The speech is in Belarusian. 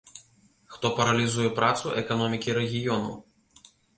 Хто паралізуе працу эканомікі рэгіёну.